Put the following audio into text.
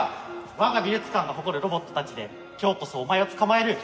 我が美術館が誇るロボットたちで今日こそお前を捕まえる。